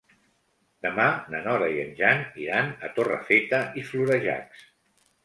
Demà na Nora i en Jan iran a Torrefeta i Florejacs.